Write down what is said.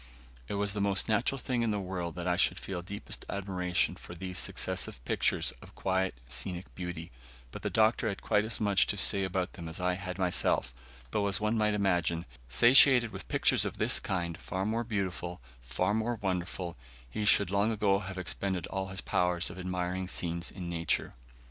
It was the most natural thing in the world that I should feel deepest admiration for these successive pictures of quiet scenic beauty, but the Doctor had quite as much to say about them as I had myself, though, as one might imagine, satiated with pictures of this kind far more beautiful far more wonderful he should long ago have expended all his powers of admiring scenes in nature.